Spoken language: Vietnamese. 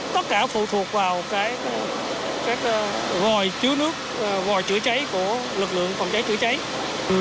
tất cả phụ thuộc vào cái gòi chứa nước gòi chữa cháy của lực lượng phòng cháy chữa cháy